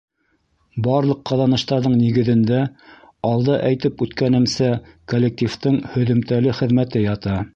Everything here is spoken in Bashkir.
Барлыҡ ҡаҙаныштарҙың нигеҙендә, алда әйтеп үткәнемсә, коллективтың һөҙөмтәле хеҙмәте ята.